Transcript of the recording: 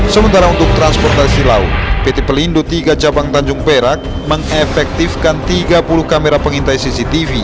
sementara untuk transportasi laut pt pelindo tiga cabang tanjung perak mengefektifkan tiga puluh kamera pengintai cctv